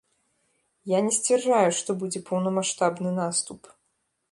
Я не сцвярджаю, што будзе поўнамаштабны наступ.